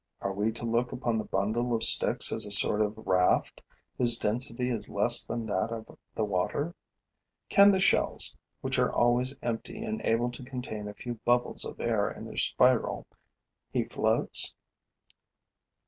Are we to look upon the bundle of sticks as a sort of raft whose density is less than that of the water? Can the shells, which are always empty and able to contain a few bubbles of air in their spiral, he floats?